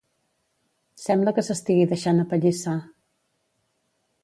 Sembla que s'estigui deixant apallissar.